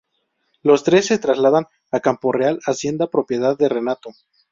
Los tres se trasladan a Campo Real, hacienda propiedad de Renato.